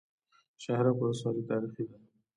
شهرک ولسوالۍ تاریخي ده؟